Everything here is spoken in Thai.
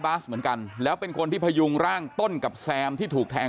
บาสเหมือนกันแล้วเป็นคนที่พยุงร่างต้นกับแซมที่ถูกแทง